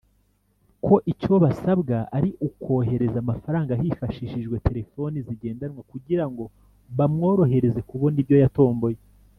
ko icyo basabwa ari ukohereza amafaranga hifashishijwe telefoni zigendanwa kugirango bamworohereze kubona ibyo yatomboye